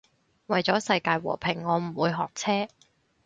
為咗世界和平我唔會學車